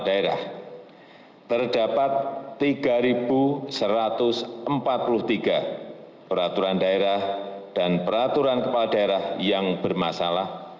daerah terdapat tiga satu ratus empat puluh tiga peraturan daerah dan peraturan kepala daerah yang bermasalah